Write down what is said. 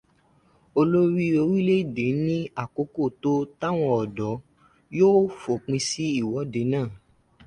Olórí orílẹ̀-èdè ní àkókò tó táwọn ọ̀dọ́ yóò fòpin sí ìwọ́de náà.